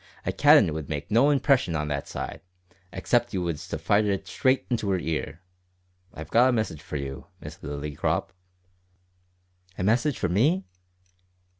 A cannon would make no impression on that side, except you was to fire it straight into her ear. I've got a message for you, Miss Lillycrop." "A message for me?"